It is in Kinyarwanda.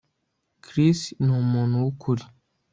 Chris ni umuntu wukuri